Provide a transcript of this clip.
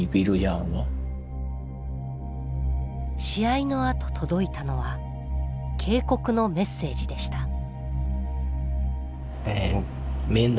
試合のあと届いたのは警告のメッセージでした。